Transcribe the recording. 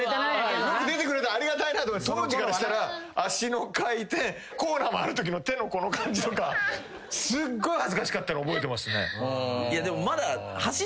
よく出てくれたありがたいな当時からしたら脚の回転コーナー回るときの手のこの感じとかすっごい恥ずかしかったの覚えてますね。